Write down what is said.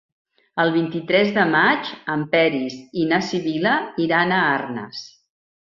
El vint-i-tres de maig en Peris i na Sibil·la iran a Arnes.